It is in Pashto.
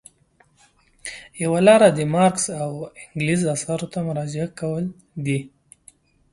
یوه لاره د مارکس او انګلز اثارو ته مراجعه کول دي.